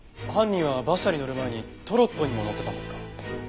犯人は馬車に乗る前にトロッコにも乗ってたんですか？